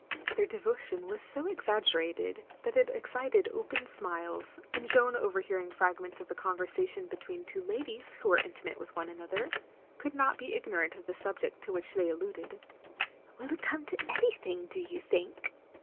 Their devotion was so exaggerated that it excited open smiles, and Jeanne overhearing fragments of a conversation between two ladies who were intimate with one another, could not be ignorant of the subject to which they alluded. "Will it come to anything, do you think?